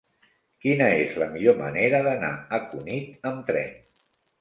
Quina és la millor manera d'anar a Cunit amb tren?